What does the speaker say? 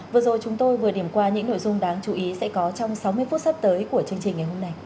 vừa rồi chúng tôi vừa điểm qua những nội dung đáng chú ý sẽ có trong sáu mươi phút sắp tới của chương trình ngày hôm nay